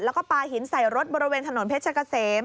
แล้วก็ปลาหินใส่รถบริเวณถนนเพชรกะเสม